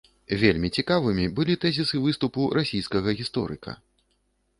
Вельмі цікавымі былі тэзісы выступу расійскага гісторыка.